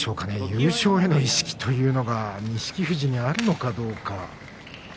優勝への意識というのが錦富士にあるのかどうか。